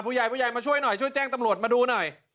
ผู้ใหญ่ผู้ใหญ่มาช่วยหน่อยช่วยแจ้งตำรวจมาดูหน่อย